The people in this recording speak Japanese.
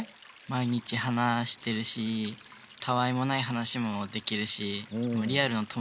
毎日話してるしたわいもない話もできるしリアルの友だちとも変わらない。